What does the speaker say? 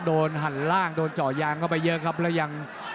หันล่างโดนเจาะยางเข้าไปเยอะครับแล้วยัง